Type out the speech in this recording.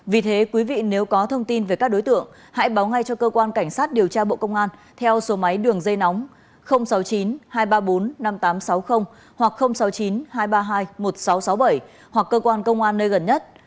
vì thế quý vị nếu có thông tin về các đối tượng hãy báo ngay cho cơ quan cảnh sát điều tra bộ công an theo số máy đường dây nóng sáu mươi chín hai trăm ba mươi bốn năm nghìn tám trăm sáu mươi hoặc sáu mươi chín hai trăm ba mươi hai một nghìn sáu trăm sáu mươi bảy hoặc cơ quan công an nơi gần nhất